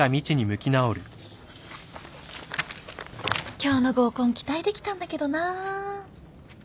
今日の合コン期待できたんだけどな。